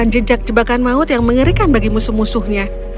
jangan jembatan maut yang mengerikan bagi musuh musuhnya